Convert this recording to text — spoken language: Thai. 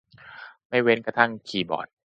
ไม่เว้นกระทั่งคีย์บอร์ด